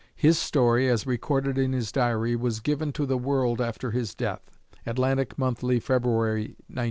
His story, as recorded in his diary, was given to the world after his death ("Atlantic Monthly," February, 1913).